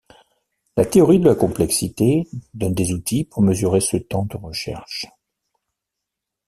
La théorie de la complexité donne des outils pour mesurer ce temps de recherche.